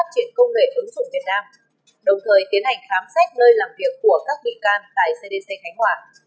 đồng thời tiến hành khám xét nơi làm việc của các vị can tại cdc khánh hòa